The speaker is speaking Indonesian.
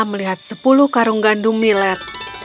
melihat sepuluh karung gandum milet